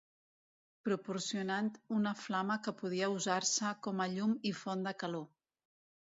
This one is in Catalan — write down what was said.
Proporcionant una flama que podia usar-se com a llum i font de calor.